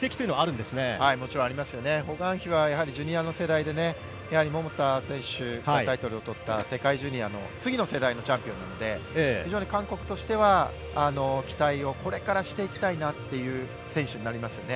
ホ・グァンヒはジュニアの世代で桃田とタイトルを取った世界ジュニアの次の時代のチャンピオンなので非常に韓国としてはこれから期待していきたい選手ですよね。